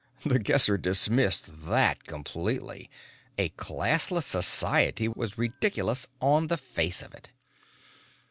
(The Guesser dismissed that completely; a Classless society was ridiculous on the face of it.)